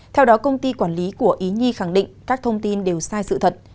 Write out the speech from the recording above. theo đó công ty quản lý của ý nhi khẳng định các thông tin đều sai sự thật